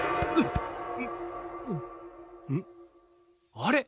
あれ？